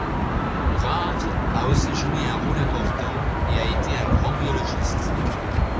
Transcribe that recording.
Rhazes a aussi joué un rôle important et a été un grand biologiste.